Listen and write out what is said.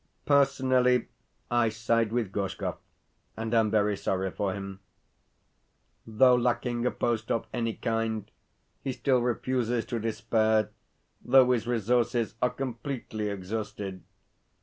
Personally I side with Gorshkov, and am very sorry for him. Though lacking a post of any kind, he still refuses to despair, though his resources are completely exhausted.